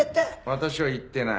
私は言ってない。